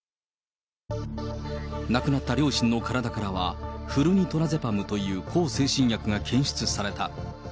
亡くなった両親の体からは、フルニトラゼパムという向精神薬が検出された。